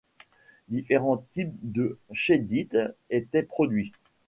Différents types de cheddite étaient produits.